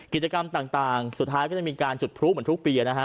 กิจกรรมต่างสุดท้ายก็จะมีการจุดพลุเหมือนทุกปีนะฮะ